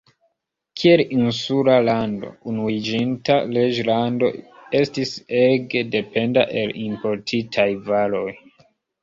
Kiel insula lando, Unuiĝinta Reĝlando estis ege dependa el importitaj varoj.